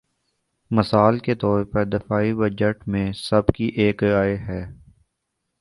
مثال کے طور پر دفاعی بجٹ میں سب کی ایک رائے ہے۔